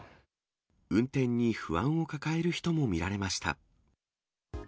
運転に不安を抱える人も見られました。